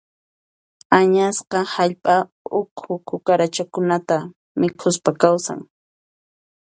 Añasqa hallp'a ukhu kuruchakunata mikhuspa kawsan.